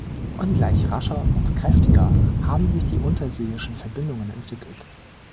Ungleich rascher und kräftiger haben sich die unterseeischen Verbindungen entwickelt.